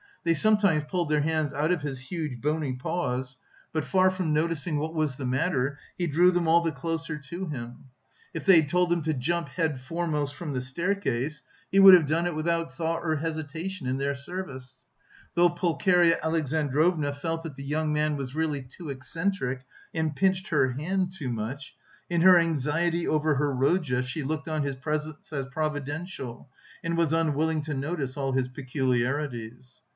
They sometimes pulled their hands out of his huge bony paws, but far from noticing what was the matter, he drew them all the closer to him. If they'd told him to jump head foremost from the staircase, he would have done it without thought or hesitation in their service. Though Pulcheria Alexandrovna felt that the young man was really too eccentric and pinched her hand too much, in her anxiety over her Rodya she looked on his presence as providential, and was unwilling to notice all his peculiarities.